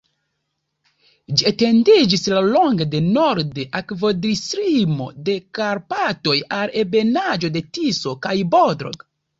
Ĝi etendiĝis laŭlonge de norde akvodislimo de Karpatoj al ebenaĵo de Tiso kaj Bodrog.